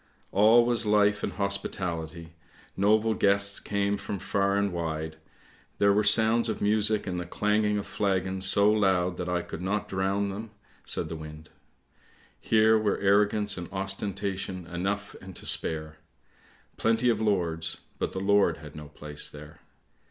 All was life and hospitality, noble guests came from far and wide; there were sounds of music and the clanging of flagons, so loud that I could not drown them! " said the wind. " Here were arro gance and ostentation enough and to spare; plenty of lords, but the Lord had no place there.